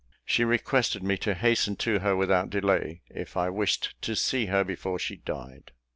She requested me to hasten to her without delay, if I wished to see her before she died.